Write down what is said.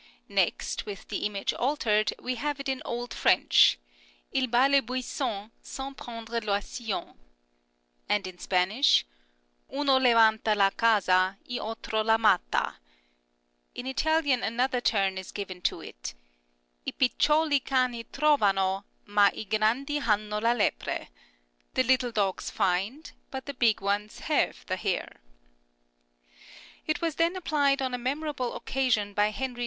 Next, with the image altered, we have it in Old French, " II bat le buisson sans prendre I'oisillon," and in Spanish, " Uno levanta la caza y otro la mata "; in Italian another turn is given to it, " I piccioli cani trovano, m^ i grandi hanno la lepre "(" The little dogs find, but the big ones have the hare "). It was then applied on a memorable occasion by Henry V.